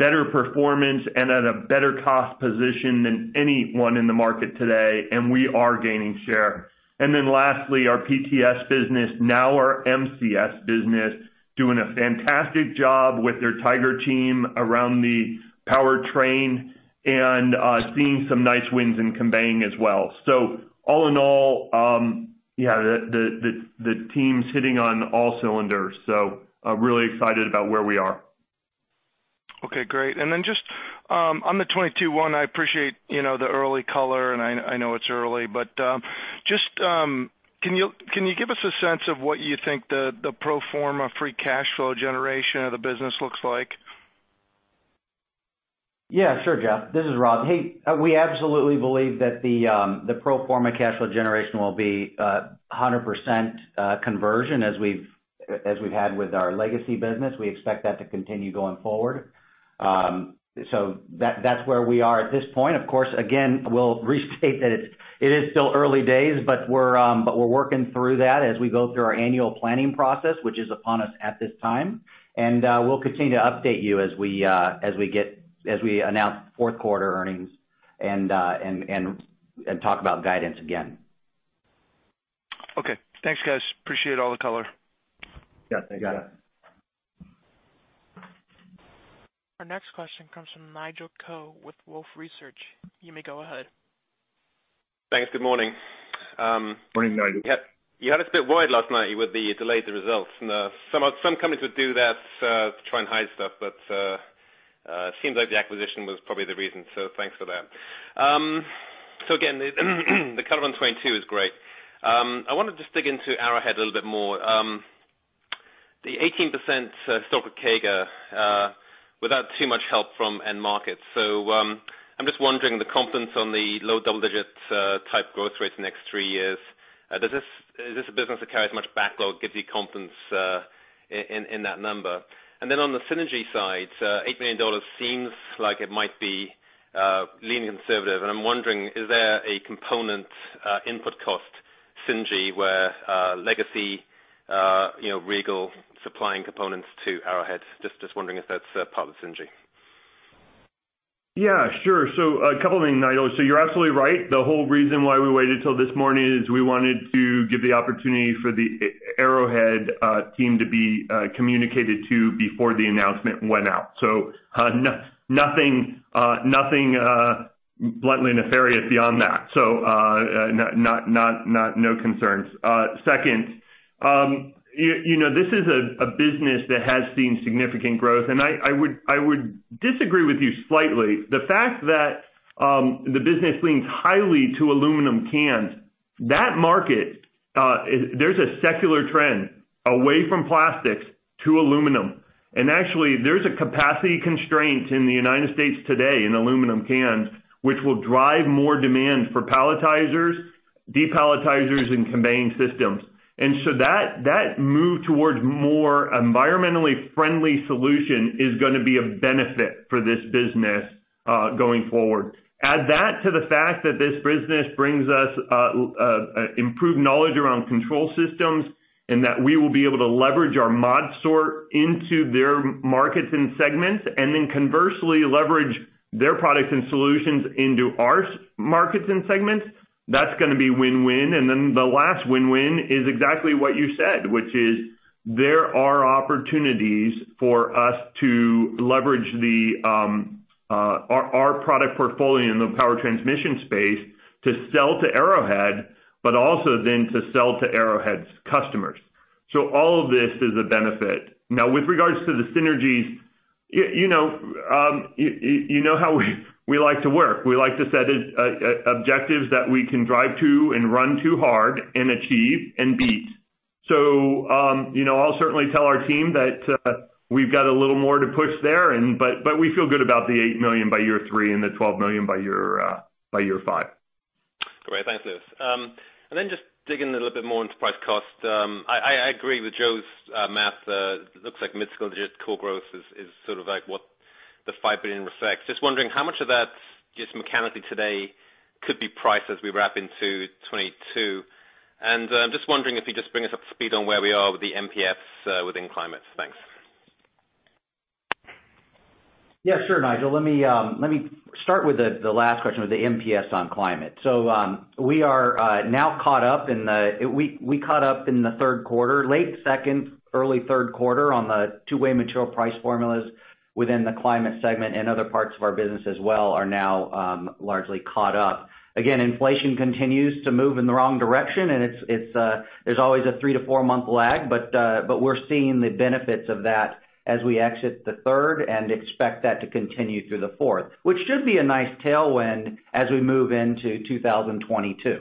better performance and at a better cost position than anyone in the market today, and we are gaining share. Lastly, our PTS business, now our MCS business, doing a fantastic job with their Tiger team around the powertrain and seeing some nice wins in conveying as well. All in all, the team's hitting on all cylinders, so I'm really excited about where we are. Okay, great. Then just on the 2021, I appreciate, you know, the early color, and I know it's early, but just can you give us a sense of what you think the pro forma free cash flow generation of the business looks like? Yeah, sure, Jeff. This is Rob. Hey, we absolutely believe that the pro forma cash flow generation will be 100% conversion as we've had with our legacy business. We expect that to continue going forward. So that's where we are at this point. Of course, again, we'll restate that it is still early days, but we're working through that as we go through our annual planning process, which is upon us at this time. We'll continue to update you as we announce fourth quarter earnings and talk about guidance again. Okay. Thanks, guys. Appreciate all the color. Yeah, thank you. Yeah. Our next question comes from Nigel Coe with Wolfe Research. You may go ahead. Thanks. Good morning. Morning, Nigel. You had us a bit worried last night with the delayed results. Some companies would do that to try and hide stuff, but seems like the acquisition was probably the reason. Thanks for that. Again, the color on 2022 is great. I wanted to just dig into Arrowhead a little bit more. The 18% historical CAGR without too much help from end markets. I'm just wondering the confidence on the low double digits type growth rate the next three years. Is this a business that carries much backlog, gives you confidence in that number? Then on the synergy side, $8 million seems like it might be leaning conservative. I'm wondering, is there a component input cost synergy where legacy, you know, Regal supplying components to Arrowhead? Just wondering if that's part of the synergy. Yeah, sure. A couple of things, Nigel. You're absolutely right. The whole reason why we waited till this morning is we wanted to give the opportunity for the Arrowhead team to be communicated to before the announcement went out. Nothing bluntly nefarious beyond that. No concerns. Second, you know, this is a business that has seen significant growth, and I would disagree with you slightly. The fact that the business leans highly to aluminum cans, that market, there's a secular trend away from plastics to aluminum. Actually, there's a capacity constraint in the United States today in aluminum cans, which will drive more demand for palletizers and depalletizers, and conveying systems. That move towards more environmentally friendly solution is gonna be a benefit for this business going forward. Add that to the fact that this business brings us improved knowledge around control systems, and that we will be able to leverage our ModSort into their markets and segments, and then conversely leverage their products and solutions into our markets and segments, that's gonna be win-win. The last win-win is exactly what you said, which is there are opportunities for us to leverage our product portfolio in the power transmission space to sell to Arrowhead, but also then to sell to Arrowhead's customers. All of this is a benefit. Now, with regards to the synergies, you know how we like to work. We like to set objectives that we can drive to and run to hard and achieve and beat. You know, I'll certainly tell our team that we've got a little more to push there and but we feel good about the $8 million by year three and the $12 million by year five. Great. Thanks, Louis. Just digging a little bit more into price cost. I agree with Joe's math. Looks like mid-single digit core growth is sort of like what the $5 billion reflects. Just wondering how much of that just mechanically today could be price as we wrap into 2022? Just wondering if you bring us up to speed on where we are with the MPFs within Climate? Thanks. Yeah, sure, Nigel. Let me start with the last question with the MPFs on Climate. We are now caught up. We caught up in the third quarter, late second, early third quarter, on the two-way material price formulas within the Climate segment, and other parts of our business as well are now largely caught up. Again, inflation continues to move in the wrong direction, and there's always a three to four-month lag, but we're seeing the benefits of that as we exit the third and expect that to continue through the fourth, which should be a nice tailwind as we move into 2022.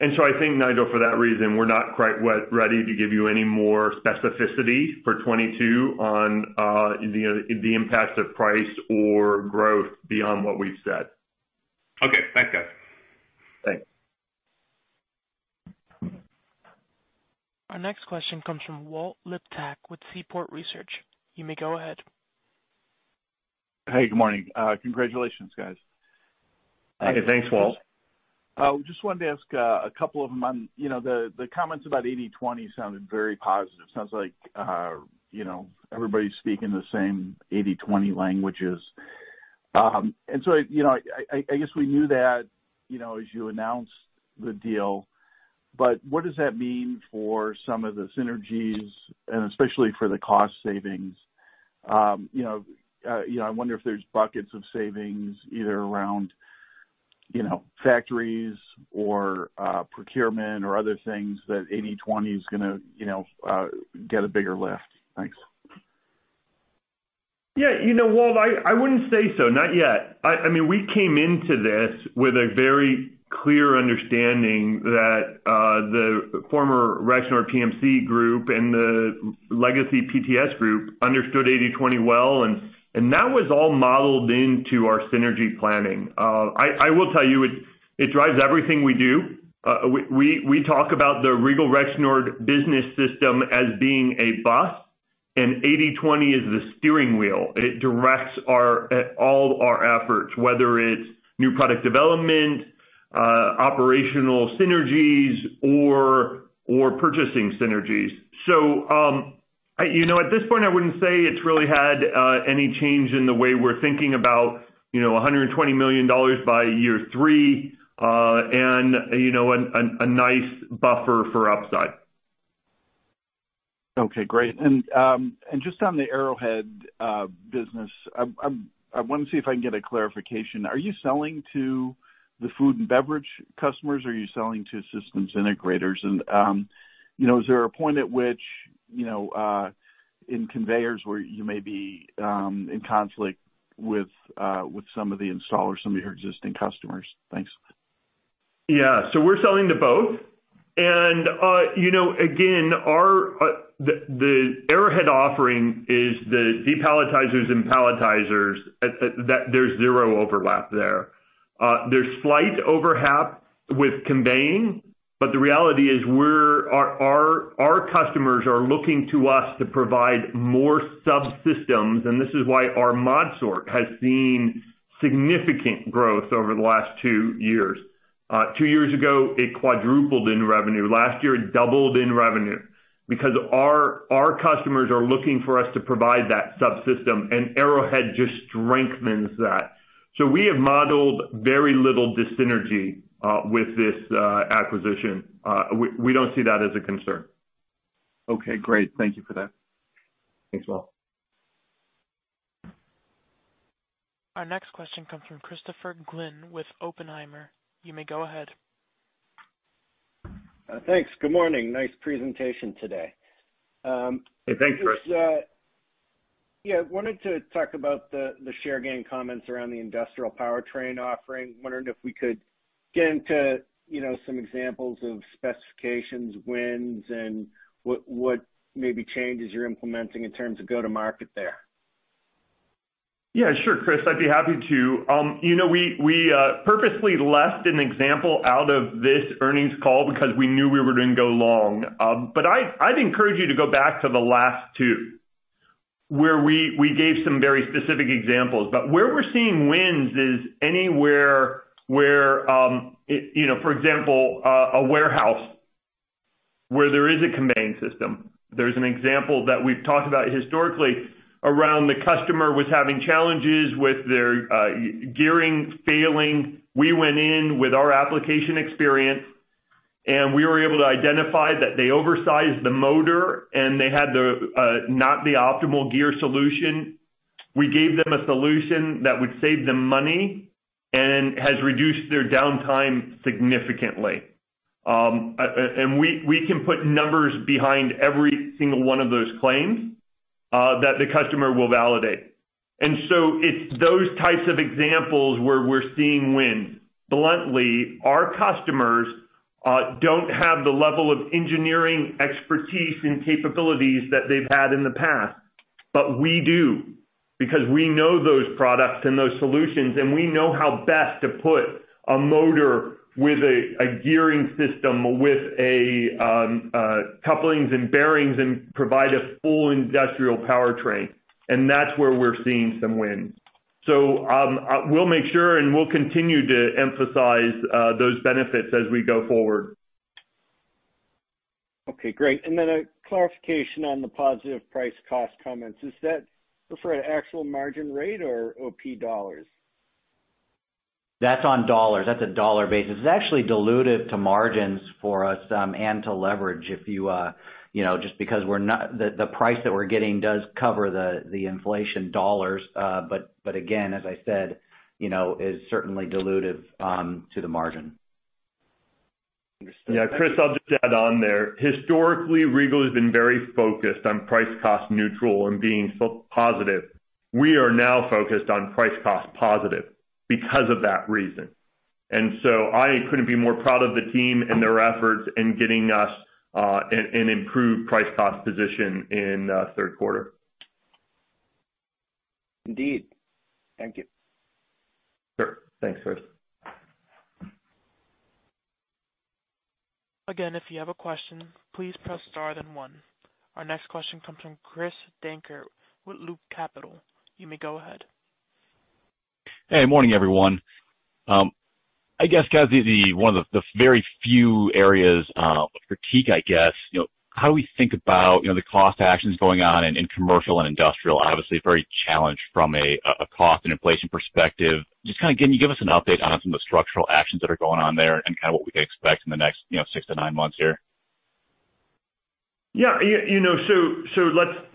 I think, Nigel, for that reason, we're not quite ready to give you any more specificity for 2022 on, you know, the impact of price or growth beyond what we've said. Okay. Thanks guys. Thanks. Our next question comes from Walt Liptak with Seaport Research. You may go ahead. Hey, good morning. Congratulations guys. Hey, thanks, Walt. Just wanted to ask a couple of them. You know, the comments about 80/20 sounded very positive. Sounds like, you know, everybody's speaking the same 80/20 languages. You know, I guess we knew that, you know, as you announced the deal, but what does that mean for some of the synergies and especially for the cost savings? You know, I wonder if there's buckets of savings either around, you know, factories or procurement or other things that 80/20 is gonna, you know, get a bigger lift. Thanks. Yeah. You know, Walt, I wouldn't say so. Not yet. I mean, we came into this with a very clear understanding that the former Rexnord PMC group and the legacy PTS group understood 80/20 well, and that was all modeled into our synergy planning. I will tell you, it drives everything we do. We talk about the Regal Rexnord business system as being a bus, and 80/20 is the steering wheel. It directs all our efforts, whether it's new product development, operational synergies or purchasing synergies. You know, at this point, I wouldn't say it's really had any change in the way we're thinking about, you know, $120 million by year three, and, you know, a nice buffer for upside. Okay, great. Just on the Arrowhead business. I want to see if I can get a clarification. Are you selling to the food and beverage customers? Are you selling to systems integrators? Is there a point at which in conveyors where you may be in conflict with some of the installers, some of your existing customers? Thanks. Yeah. We're selling to both. You know, again, our Arrowhead offering is the depalletizers and palletizers. There's zero overlap there. There's slight overlap with conveying, but the reality is our customers are looking to us to provide more subsystems, and this is why our ModSort has seen significant growth over the last two years. Two years ago, it quadrupled in revenue. Last year, it doubled in revenue because our customers are looking for us to provide that subsystem and Arrowhead just strengthens that. We have modeled very little dis-synergy with this acquisition. We don't see that as a concern. Okay, great. Thank you for that. Thanks, Walt. Our next question comes from Christopher Glynn with Oppenheimer. You may go ahead. Thanks. Good morning. Nice presentation today. Hey, thanks, Chris. Just yeah, wanted to talk about the share gain comments around the industrial powertrain offering. Wondering if we could get into, you know, some examples of specifications, wins and what maybe changes you're implementing in terms of go to market there? Yeah, sure, Chris. I'd be happy to. We purposely left an example out of this earnings call because we knew we were going long. I'd encourage you to go back to the last two where we gave some very specific examples. Where we're seeing wins is anywhere where, for example, a warehouse where there is a conveying system. There's an example that we've talked about historically around, the customer was having challenges with their gearing failing. We went in with our application experience, and we were able to identify that they oversized the motor and they had not the optimal gear solution. We gave them a solution that would save them money and has reduced their downtime significantly. We can put numbers behind every single one of those claims that the customer will validate. It's those types of examples where we're seeing wins. Bluntly, our customers don't have the level of engineering expertise and capabilities that they've had in the past, but we do because we know those products and those solutions, and we know how best to put a motor with a gearing system, with couplings and bearings and provide a full industrial powertrain. That's where we're seeing some wins. We'll make sure and we'll continue to emphasize those benefits as we go forward. Okay, great. A clarification on the positive price cost comments. Is that for an actual margin rate or OP dollars? That's on dollars. That's a dollar basis. It's actually dilutive to margins for us, and to leverage if you know, just because the price that we're getting does cover the inflation dollars. But again, as I said, you know, it is certainly dilutive to the margin. Understood. Chris, I'll just add on there. Historically, Regal has been very focused on price cost neutral and being positive. We are now focused on price cost positive because of that reason. I couldn't be more proud of the team and their efforts in getting us an improved price cost position in third quarter. Indeed. Thank you. Sure. Thanks, Chris. Again, if you have a question, please press star then one. Our next question comes from Chris Dankert with Loop Capital. You may go ahead. Hey, morning, everyone. I guess, guys, one of the very few areas of critique, I guess, you know, how do we think about, you know, the cost actions going on in commercial and industrial, obviously very challenged from a cost and inflation perspective. Just kind a, can you give us an update on some of the structural actions that are going on there and kind of what we can expect in the next, you know, six-nine months here? Yeah, you know, so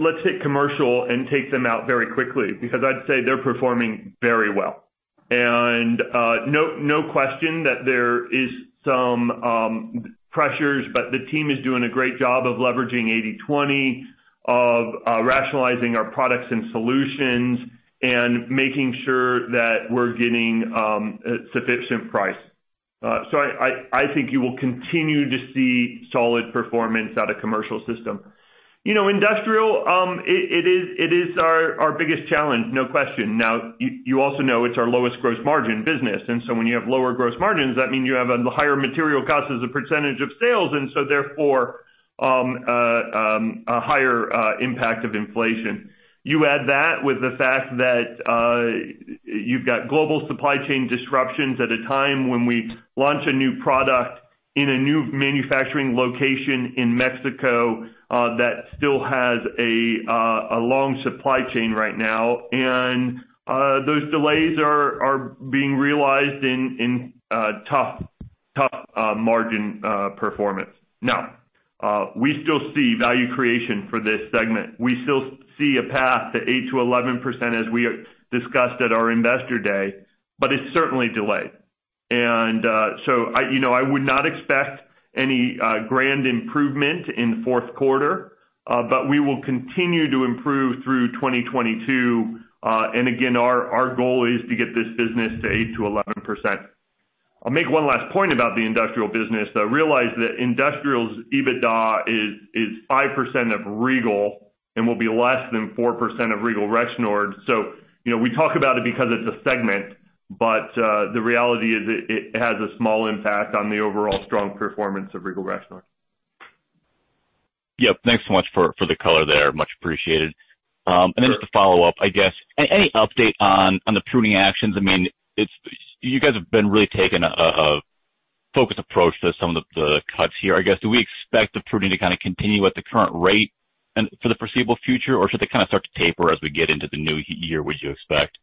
let's hit commercial and take them out very quickly because I'd say they're performing very well. No question that there is some pressures, but the team is doing a great job of leveraging 80/20 of rationalizing our products and solutions and making sure that we're getting sufficient price. So I think you will continue to see solid performance out of commercial system. You know, industrial, it is our biggest challenge, no question. You also know it's our lowest gross margin business. When you have lower gross margins, that means you have a higher material cost as a percentage of sales, and so therefore a higher impact of inflation. You add that with the fact that, you've got global supply chain disruptions at a time when we launch a new product in a new manufacturing location in Mexico, that still has a long supply chain right now. Those delays are being realized in tough margin performance. Now, we still see value creation for this segment. We still see a path to 8%-11% as we discussed at our Investor Day, but it's certainly delayed. So I, you know, I would not expect any grand improvement in the fourth quarter, but we will continue to improve through 2022. Again, our goal is to get this business to 8%-11%. I'll make one last point about the industrial business. I realize that industrial's EBITDA is 5% of Regal and will be less than 4% of Regal Rexnord. You know, we talk about it because it's a segment, but the reality is it has a small impact on the overall strong performance of Regal Rexnord. Yep. Thanks so much for the color there. Much appreciated. Just a follow-up, I guess. Any update on the pruning actions? I mean, you guys have been really taking a focused approach to some of the cuts here, I guess. Do we expect the pruning to kind of, continue at the current rate and for the foreseeable future, or should they kind of start to taper as we get into the new year, would you expect?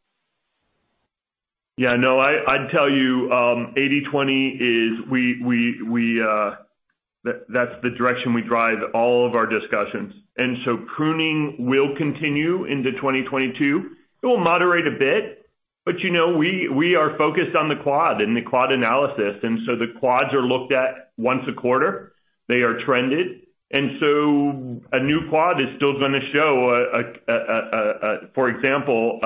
Yeah, no, I'd tell you, 80/20 is the direction we drive all of our discussions. Pruning will continue into 2022. It will moderate a bit, but you know, we are focused on the quad and the quad analysis. The quads are looked at once a quarter. They are trended. A new quad is still gonna show, for example,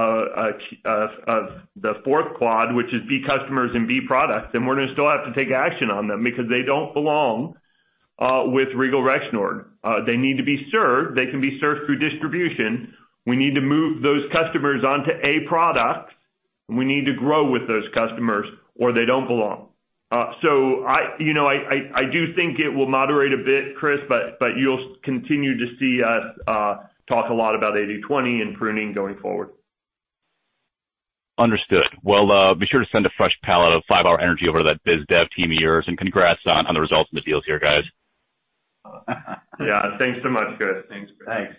the fourth quad, which is B customers and B products, and we're gonna still have to take action on them because they don't belong with Regal Rexnord. They need to be served. They can be served through distribution. We need to move those customers onto A products, and we need to grow with those customers, or they don't belong. I, you know, do think it will moderate a bit, Chris, but you'll continue to see us talk a lot about 80/20 and pruning going forward. Understood. Well, be sure to send a fresh pallet of five hour Energy over to that biz dev team of yours, and congrats on the results and the deals here, guys. Yeah, thanks so much, Chris. Thanks, Chris. Thanks.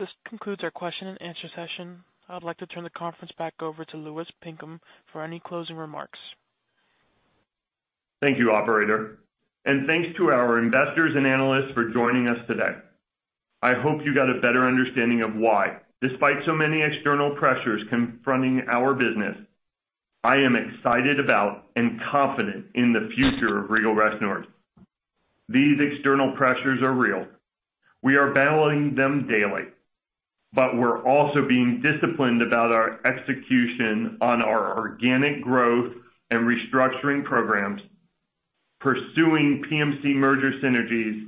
This concludes our question and answer session. I'd like to turn the conference back over to Louis Pinkham for any closing remarks. Thank you, operator, and thanks to our investors and analysts for joining us today. I hope you got a better understanding of why, despite so many external pressures confronting our business, I am excited about and confident in the future of Regal Rexnord. These external pressures are real. We are battling them daily, but we're also being disciplined about our execution on our organic growth and restructuring programs, pursuing PMC merger synergies,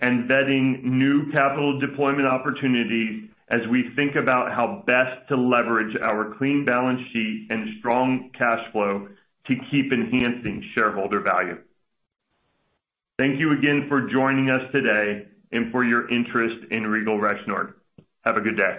and vetting new capital deployment opportunities as we think about how best to leverage our clean balance sheet and strong cash flow to keep enhancing shareholder value. Thank you again for joining us today and for your interest in Regal Rexnord. Have a good day.